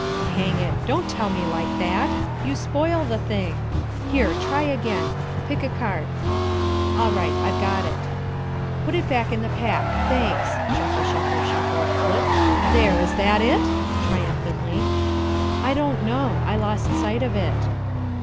"Hang it! Don't tell me like that. You spoil the thing. Here, try again. Pick a card." "All right, I've got it." "Put it back in the pack. Thanks. (Shuffle, shuffle, shuffle flip) There, is that it?" (triumphantly). "I don't know. I lost sight of it."